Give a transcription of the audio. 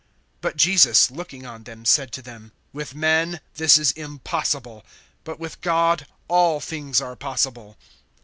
(26)But Jesus, looking on them, said to them: With men this is impossible; but with God all things are possible.